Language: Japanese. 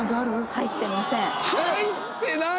入ってない！